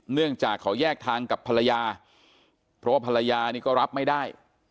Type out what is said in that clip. เนื่องจากเขาแยกทางกับภรรยาเพราะว่าภรรยานี่ก็รับไม่ได้